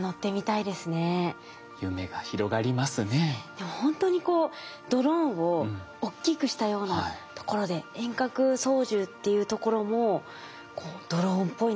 でもほんとにこうドローンを大きくしたようなところで遠隔操縦っていうところもドローンっぽいなと思って。